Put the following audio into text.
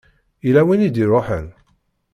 Yella win i d-iṛuḥen?